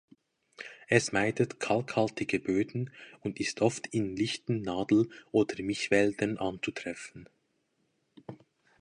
Es meidet kalkhaltige Böden und ist oft in lichten Nadel- oder Mischwäldern anzutreffen.